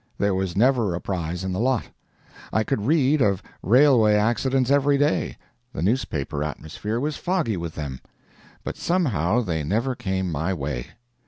There was never a prize in the lot. I could read of railway accidents every day—the newspaper atmosphere was foggy with them; but somehow they never came my way.